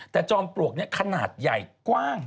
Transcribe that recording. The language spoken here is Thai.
แต่จอมปลวกนี้ขนาดใหญ่กว้าง